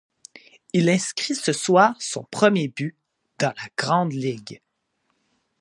Il inscrit ce soir son premier but dans la grande ligue.